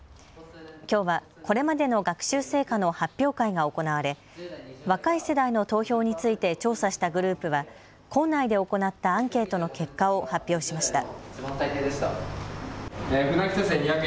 きょうはこれまでの学習成果の発表会が行われ、若い世代の投票について調査したグループは校内で行ったアンケートの結果を発表しました。